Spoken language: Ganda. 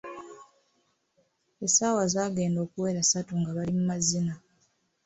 Essaawa zaagenda okuwera ssatu nga bali mu mazina.